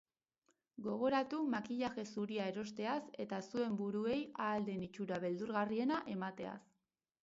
Gogoratu makillaje zuria erosteaz eta zuen buruei ahal den itxura beldurgarriena emateaz.